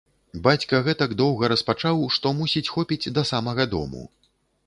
Бацька гэтак доўга распачаў, што, мусіць, хопіць да самага дому.